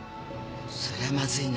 それはまずいな。